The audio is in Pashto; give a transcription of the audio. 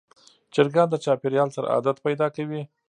چرګان د چاپېریال سره عادت پیدا کوي.